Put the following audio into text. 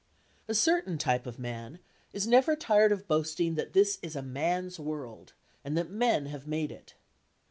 A certain type of man is never tired of boasting that this is a "man's world" and that men have made it.